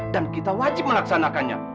dan kita wajib melaksanakannya